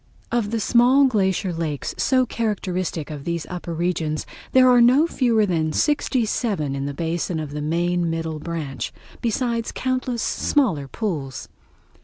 Of the small glacier lakes so characteristic of these upper regions, there are no fewer than sixty seven in the basin of the main middle branch, besides countless smaller pools.